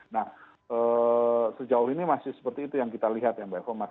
nah sejauh ini masih seperti itu yang kita lihat ya mbak eva